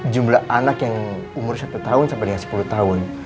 jumlah anak yang umur satu sepuluh tahun